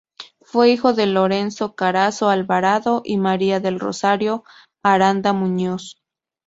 Fue hijo de Lorenzo Carazo Alvarado y María del Rosario Aranda Muñoz.